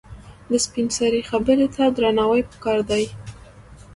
د سپینسرې خبره ته درناوی پکار دی.